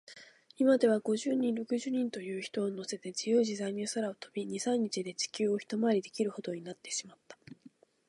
いまでは、五十人、六十人という人をのせて、じゆうじざいに空を飛び、二、三日で地球をひとまわりできるほどになってしまった。